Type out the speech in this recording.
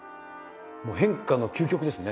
変化の究極ですね。